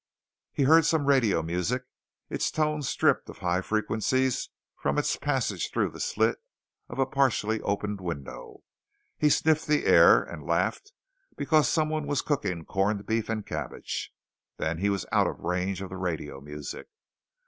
He heard some radio music, its tone stripped of high frequencies from its passage through the slit of a partially opened window. He sniffed the air and laughed because someone was cooking corned beef and cabbage. Then he was out of the range of the radio music.